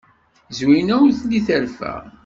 Zwina ur telli terfa.